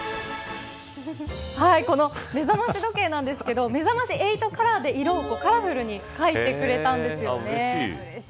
この目覚まし時計なんですけどめざまし８カラーで色をカラフルに描いてくれたんですよね。